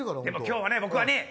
でも今日はね